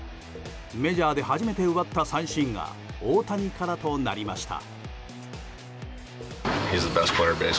メジャーで初めて奪った三振が大谷からとなりました。